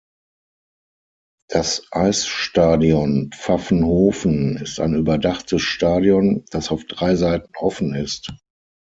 Das Eisstadion Pfaffenhofen ist ein überdachtes Stadion, das auf drei Seiten offen ist.